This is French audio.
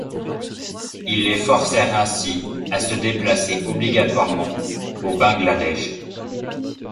Ils les forcèrent ainsi à se déplacer obligatoirement au Bangladesh.